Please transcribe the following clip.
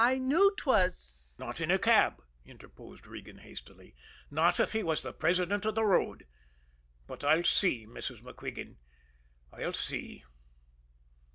"I knew 'twas " "Not in a cab!" interposed Regan hastily. "Not if he was the president of the road. But I'll see, Mrs. MacQuigan, I'll see."